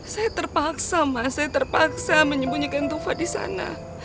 saya terpaksa mas saya terpaksa menyembunyikan tufa di sana